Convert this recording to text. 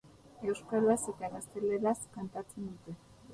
Euskaraz eta gazteleraz kantatzen dute.